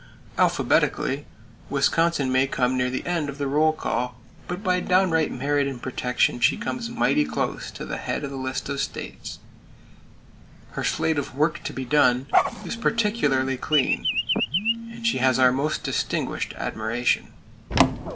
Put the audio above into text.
Alphabetically, Wisconsin may come near the end of the roll call; but by downright merit in protection, she comes mighty close to the head of the list of states. Her slate of "Work to be done" is particularly clean; and she has our most distinguished admiration.